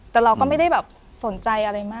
แต่เราก็ไม่ได้แบบสนใจอะไรมาก